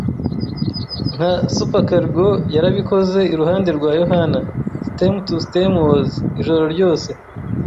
nka supercargo, yarabikoze, iruhande rwa Yohana - stem to stem was, ijoro ryose. ”